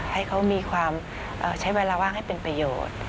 ให้เขามีความใช้เวลาว่างให้เป็นประโยชน์